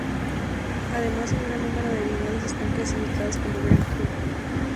Además, un gran número de viñedos están clasificados como "Grand Cru.